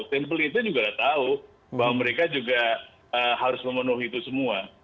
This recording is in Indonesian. timpeling itu juga udah tau bahwa mereka juga harus memenuhi itu semua